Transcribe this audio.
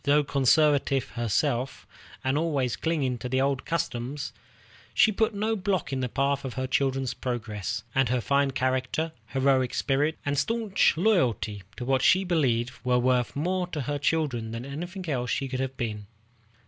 Though conservative herself, and always clinging to the old customs, she put no block in the path of her children's progress, and her fine character, heroic spirit, and stanch loyalty to what she believed were worth more to her children than anything else could have been.